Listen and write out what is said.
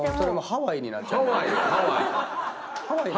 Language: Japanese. ハワイになっちゃうもん。